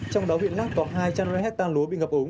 trong đó huyện lắc có hai trăm linh hectare lúa bị ngập ủng